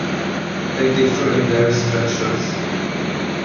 They differ in their structures.